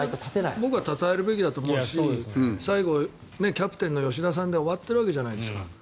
僕はたたえるべきだと思うし最後、キャプテンの吉田さんで終わってるわけじゃないですか。